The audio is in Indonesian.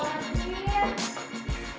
ada tau gak